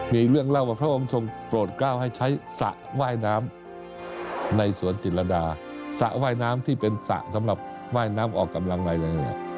มีเรื่องเล่าว่าพระองค์ทรงโปรดก้าวให้ใช้สระว่ายน้ำในสวนจิตรดาสระว่ายน้ำที่เป็นสระสำหรับว่ายน้ำออกกำลังใน